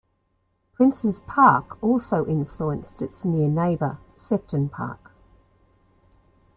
Prince's Park also influenced its near neighbour, Sefton Park.